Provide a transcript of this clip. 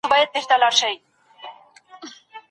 انګریزانو دا تاریخي معاهده په ګډه لاسلیک کړه.